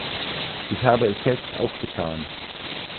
Ich habe es selbst auch getan.